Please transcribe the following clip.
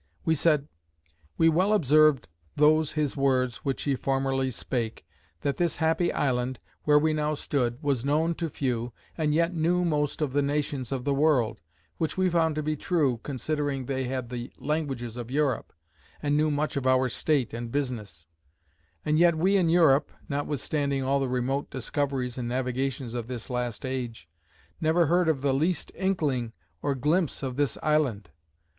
We said; "We well observed those his words, which he formerly spake, that this happy island, where we now stood, was known to few, and yet knew most of the nations of the world; which we found to be true, considering they had the languages of Europe, and knew much of our state and business; and yet we in Europe, (notwithstanding all the remote discoveries and navigations of this last age), never heard of the least inkling or glimpse of this island.